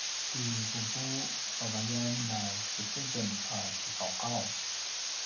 ti vuvu vavayan na tjikezem a kiqauqaung